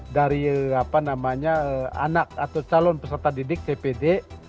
dari anak atau calon peserta didik cpd